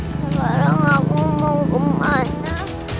sekarang aku mau kemana